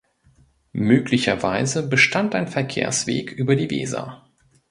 Möglicherweise bestand ein Verkehrsweg über die Weser.